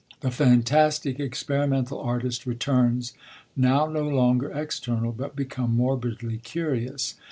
The fantastic, experimental artist returns, now no longer external, but become morbidly curious.